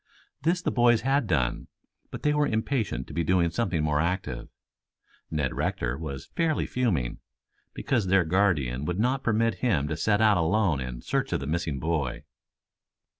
This the boys had done, but they were impatient to be doing something more active. Ned Rector was fairly fuming, because their guardian would not permit him to set out alone in search of the missing boy.